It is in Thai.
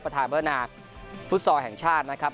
ประธานบรรณาฟุตซอลแห่งชาตินะครับ